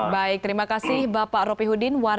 baik terima kasih bapak ropihudin